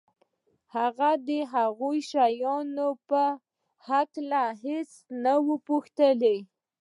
هغه د هغو شیانو په هکله هېڅ ونه پوښتل